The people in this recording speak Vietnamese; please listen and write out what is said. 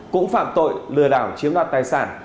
cũng phạm tội lừa đảo chiếm đoạt tài sản